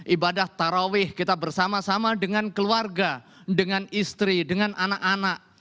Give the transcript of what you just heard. ibadah tarawih kita bersama sama dengan keluarga dengan istri dengan anak anak